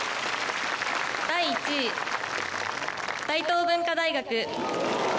第１位、大東文化大学。